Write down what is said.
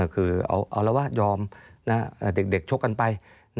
คือเอาระวะยอมน่ะเด็กโชคกันไป